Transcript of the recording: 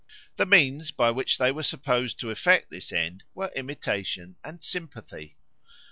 The means by which they were supposed to effect this end were imitation and sympathy.